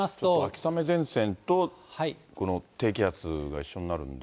秋雨前線とこの低気圧が一緒になるんで。